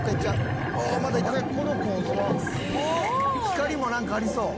光もなんかありそう」